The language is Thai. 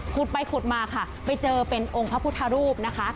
ขุดไปขุดมาค่ะไปเจอเป็นองค์พระพุทธรูปนะคะ